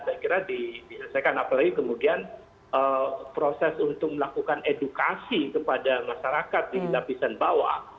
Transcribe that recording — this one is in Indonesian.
saya kira diselesaikan apalagi kemudian proses untuk melakukan edukasi kepada masyarakat di lapisan bawah